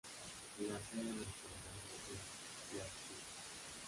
La sede del condado es Clearfield.